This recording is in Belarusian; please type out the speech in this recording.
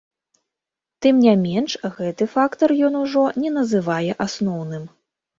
Тым не менш, гэты фактар ён ужо не называе асноўным.